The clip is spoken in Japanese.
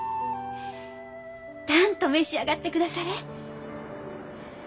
たんと召し上がってくだされ。